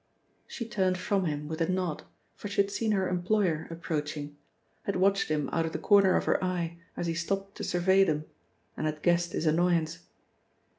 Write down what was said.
She turned from him with a nod, for she had seen her employer approaching, had watched him out of the corner of her eye as he stopped to survey them, and had guessed his annoyance.